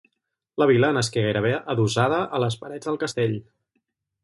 La vila nasqué gairebé adossada a les parets del castell.